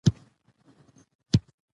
تر څو د باران اوبه په منظم ډول تيري سي.